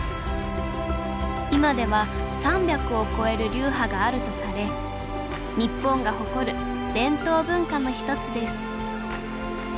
今では３００を超える流派があるとされ日本が誇る伝統文化の１つです